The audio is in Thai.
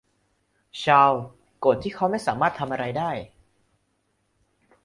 ชาร์ลโกรธที่เขาไม่สามารถทำอะไรได้